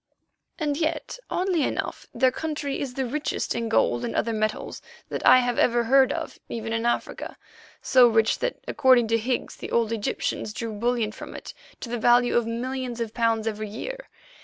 And yet, oddly enough, their country is the richest in gold and other metals that I have ever heard of even in Africa—so rich that, according to Higgs, the old Egyptians drew bullion from it to the value of millions of pounds every year.